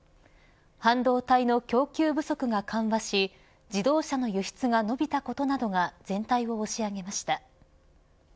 半導体の供給不足が緩和し自動車の輸出が伸びたことなどが全体を押し上げました。